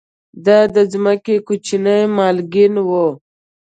دا د ځمکو کوچني مالکین وو